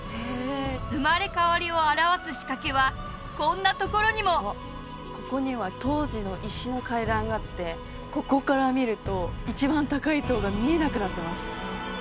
生まれ変わりを表す仕掛けはこんなところにもここには当時の石の階段があってここから見ると一番高い塔が見えなくなってます